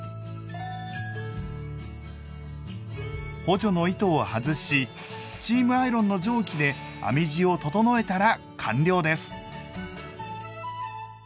補助の糸を外しスチームアイロンの蒸気で編み地を整えたら完了です。